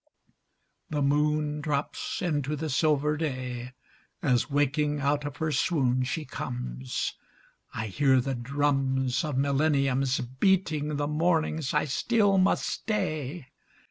The moon drops into the silver day As waking out of her swoon she comes. I hear the drums Of millenniums Beating the mornings I still must stay.